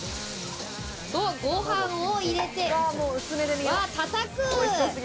ご飯を入れてたたく！